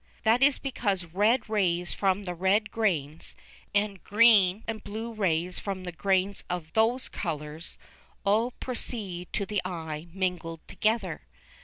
That is because red rays from the red grains, and green and blue rays from the grains of those colours, all proceed to the eye mingled together.